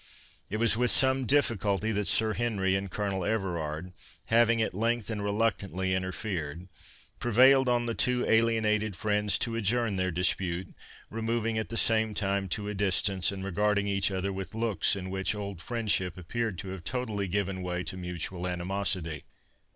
It was with some difficulty that Sir Henry and Colonel Everard, having at length and reluctantly interfered, prevailed on the two alienated friends to adjourn their dispute, removing at the same time to a distance, and regarding each other with looks in which old friendship appeared to have totally given way to mutual animosity.